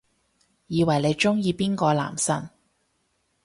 以為你鍾意邊個男神